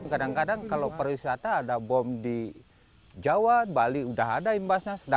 kadang kadang kalau pariwisata ada bom di jawa bali udah ada imbasnya